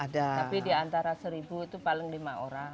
tapi diantara seribu itu paling lima orang